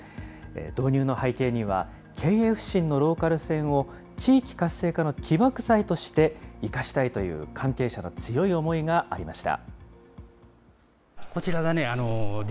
導入の背景には、経営不振のローカル線を地域活性化の起爆剤として生かしたいという関係者の強い思いがありました。